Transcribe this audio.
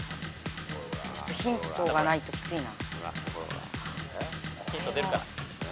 ちょっとヒントがないときついな。